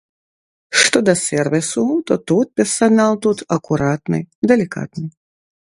Што да сэрвісу, то тут персанал тут акуратны, далікатны.